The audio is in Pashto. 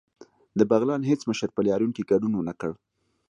د بغلان هیڅ مشر په لاریون کې ګډون ونکړ